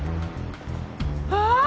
ああ。